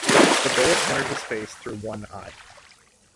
The bullet entered his face through one eye.